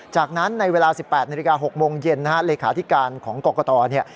จากนั้นในเวลา๑๘นาฬิกา๖โมงเย็นนะฮะเลขาธิการของกรกตเนี่ย